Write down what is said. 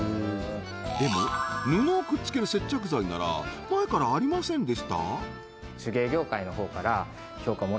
でも布をくっつける接着剤なら前からありませんでした？